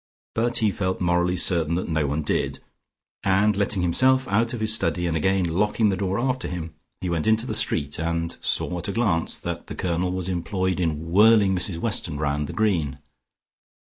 But he felt morally certain that no one did, and letting himself out of his study, and again locking the door after him, he went into the street, and saw at a glance that the Colonel was employed in whirling Mrs Weston round the Green.